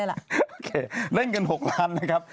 โอเคเล่นเงิน๖ล้านนะครับ